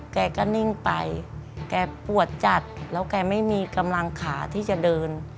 แกก็นิ่งไปแกปวดจัดแล้วแกไม่มีกำลังขาที่จะเดิน